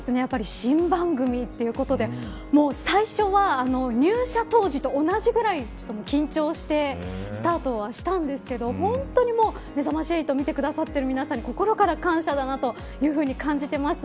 新番組ということで最初は、入社当時と同じくらい緊張してスタートはしたんですが本当にめざまし８見てくださっている皆さんに心から感謝だなと感じています。